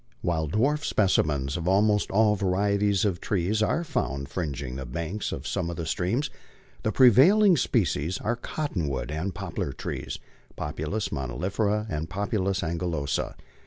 While dwarfed specimens of almost all varieties of trees are found fringing the banks of some of the streams, the prevailing species are cottonwood and poplar trees (Populus monilifera and Populus angulosa).